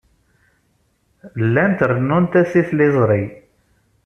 Llant rennunt-as i tliẓri.